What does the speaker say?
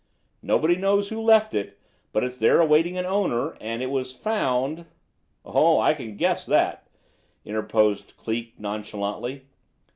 Nobody knows who left it; but it's there awaiting an owner; and it was found " "Oh, I can guess that," interposed Cleek nonchalantly.